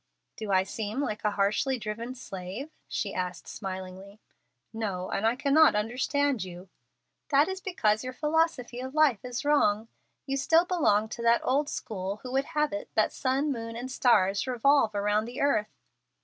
"Do I seem like a harshly driven slave?" she asked, smilingly. "No, and I cannot understand you." "That is because your philosophy of life is wrong. You still belong to that old school who would have it that sun, moon, and stars revolve around the earth.